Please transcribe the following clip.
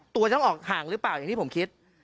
ตัวต้องออกห่างหรือเปล่าอย่างที่ผมคิด